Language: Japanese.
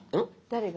誰が？